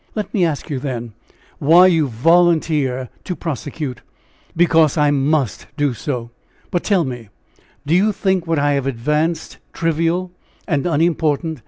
"Let me ask you, then, why you volunteer to prosecute?" "Because I must do so. But tell me, do you think what I have advanced trivial and unimportant?"